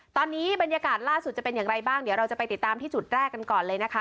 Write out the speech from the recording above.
ตอนนี้บรรยากาศล่าสุดจะเป็นอย่างไรบ้างเดี๋ยวเราจะไปติดตามที่จุดแรกกันก่อนเลยนะคะ